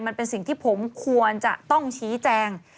มันเป็นสิ่งที่ผมควรจะต้องชี้แจง